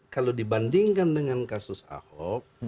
kalau dibandingkan dengan kasus ahok